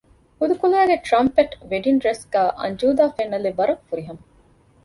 ހުދުކުލައިގެ ޓްރަންޕެޓް ވެޑިންގ ޑްރެސް ގައި އަންޖޫދާ ފެންނަލެއް ވަރަށް ފުރިހަމަ